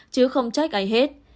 chứ không trách ai hết